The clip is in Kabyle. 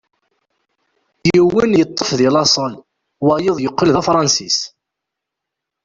Yiwen yeṭṭef deg laṣel, wayeḍ yeqqel d Afransis.